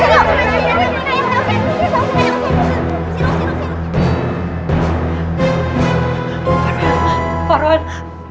tidak ada manusia yang mengaku